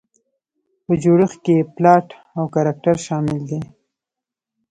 په جوړښت کې یې پلاټ او کرکټر شامل دي.